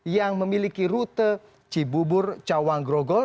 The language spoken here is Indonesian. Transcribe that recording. yang memiliki rute cibubur cawang grogol